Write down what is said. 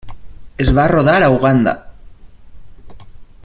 Es va rodar a Uganda.